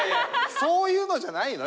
そういうのじゃないのよ